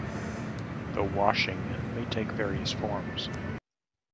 The "washing" may take various forms.